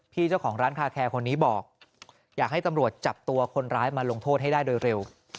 เจ้าของร้านคาแคร์คนนี้บอกอยากให้ตำรวจจับตัวคนร้ายมาลงโทษให้ได้โดยเร็ว